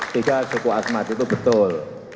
tiga suku asmat itu betul